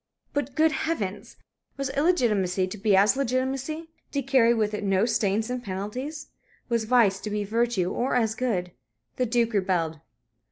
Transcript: But, good Heavens! was illegitimacy to be as legitimacy? to carry with it no stains and penalties? Was vice to be virtue, or as good? The Duke rebelled.